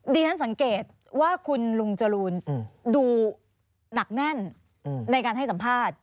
ดิฉันสังเกตว่าคุณลุงจรูนดูหนักแน่นในการให้สัมภาษณ์